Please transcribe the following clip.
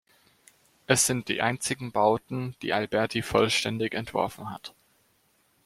Es sind die einzigen Bauten, die Alberti vollständig entworfen hat.